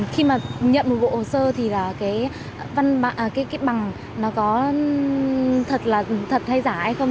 khi mà nhận một bộ hồ sơ thì bằng có thật hay giả hay không